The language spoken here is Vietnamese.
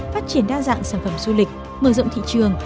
phát triển đa dạng sản phẩm du lịch mở rộng thị trường